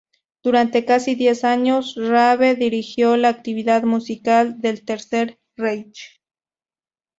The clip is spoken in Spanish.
Durante casi diez años Raabe dirigió la actividad musical del Tercer Reich.